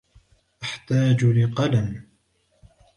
أحتاج لقلم.